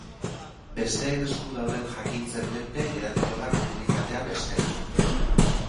Besteen esku dauden jakintzen menpe geratuko da komunitatea bestela.